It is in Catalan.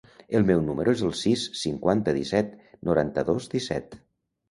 El meu número es el sis, cinquanta, disset, noranta-dos, disset.